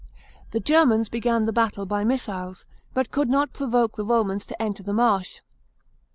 The Germans began the battle by missiles, Hut could not provoke the Romans to enter the marsh.